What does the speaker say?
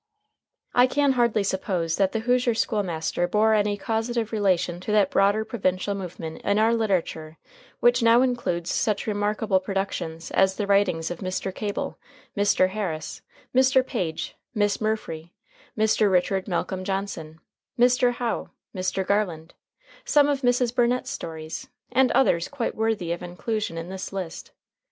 I can hardly suppose that "The Hoosier School Master" bore any causative relation to that broader provincial movement in our literature which now includes such remarkable productions as the writings of Mr. Cable, Mr. Harris, Mr. Page, Miss Murfree, Mr. Richard Malcom Johnson, Mr. Howe, Mr. Garland, some of Mrs. Burnett's stories and others quite worthy of inclusion in this list.